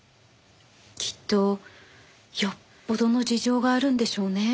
きっとよっぽどの事情があるんでしょうね。